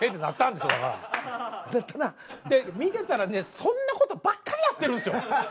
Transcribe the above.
で見てたらねそんな事ばっかりやってるんですよ。